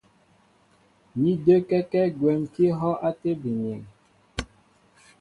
Ní də́kɛ́kɛ́ gwɛ̌m kɛ́ ihɔ́' á tébili myéŋ.